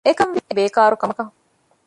އެކަންވީ ބޭކާރު ކަމަކަށް